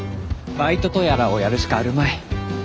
ばいととやらをやるしかあるまい。